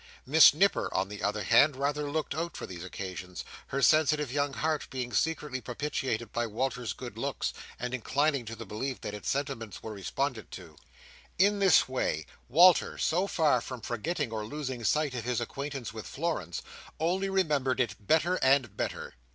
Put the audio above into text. Miss Nipper, on the other hand, rather looked out for these occasions: her sensitive young heart being secretly propitiated by Walter's good looks, and inclining to the belief that its sentiments were responded to. In this way, Walter, so far from forgetting or losing sight of his acquaintance with Florence, only remembered it better and better.